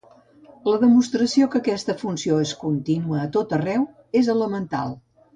La demostració que aquesta funció és contínua a tot arreu és elemental.